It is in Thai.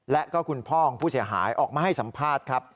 และก็คุณพ่อของผู้เสียหายออกมาให้สัมภาษณ์ครับ